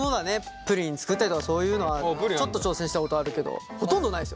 プリン作ったりとかそういうのはちょっと挑戦したことあるけどほとんどないですよ。